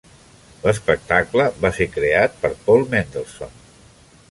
L'espectacle va ser creat per Paul Mendelson.